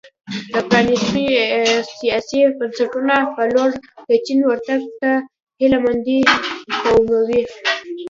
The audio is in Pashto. د پرانیستو سیاسي بنسټونو په لور د چین ورتګ ته هیله مندي کموي.